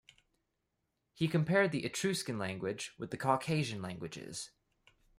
He compared the Etruscan language with the Caucasian languages.